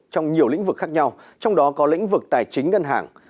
trong nhiều lĩnh vực khác nhau trong đó có lĩnh vực tài chính ngân hàng